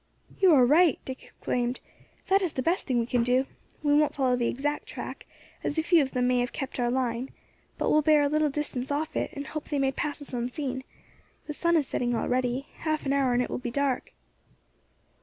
"You are right," Dick exclaimed, "that is the best thing we can do. We won't follow the exact track, as a few of them may have kept our line, but will bear a little distance off it, and hope they may pass us unseen; the sun is setting already, half an hour and it will be dark."